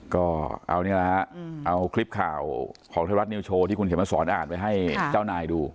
ก็เอานี่แหละฮะเอาคลิปข่าวของไทยรัฐนิวโชว์ที่คุณเขียนมาสอนอ่านไว้ให้เจ้านายดู